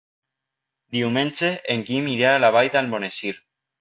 Diumenge en Guim irà a la Vall d'Almonesir.